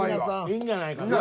いいんじゃないかな。